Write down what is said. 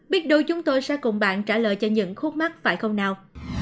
biết đồ chúng tôi sẽ cùng bạn trả lời cho những khuất mắt phải không nào